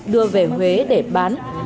đưa về huế để bán